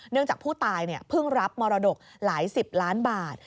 จากผู้ตายเพิ่งรับมรดกหลายสิบล้านบาท